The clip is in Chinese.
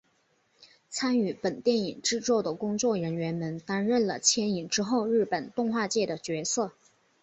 参与本电影制作的工作人员们担任了牵引之后日本动画界的角色。